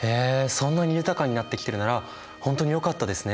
そんなに豊かになってきてるなら本当によかったですね。